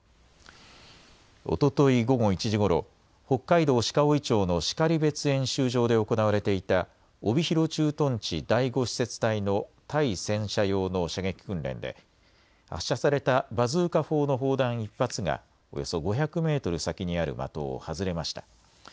おととい午後１時ごろ、北海道鹿追町の然別演習場で行われていた帯広駐屯地・第５施設隊の対戦車用の射撃訓練で発射されたバズーカ砲の砲弾１発がおよそ５００メートル先にある的を外れました。